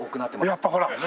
やっぱほら！